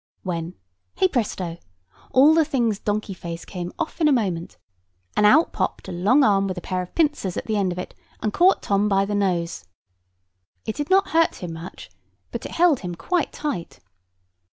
When, hey presto; all the thing's donkey face came off in a moment, and out popped a long arm with a pair of pincers at the end of it, and caught Tom by the nose. It did not hurt him much; but it held him quite tight.